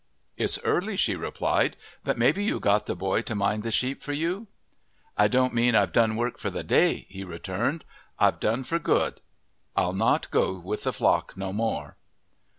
"It's early," she replied, "but maybe you got the boy to mind the sheep for you." "I don't mean I've done work for the day," he returned. "I've done for good I'll not go with the flock no more."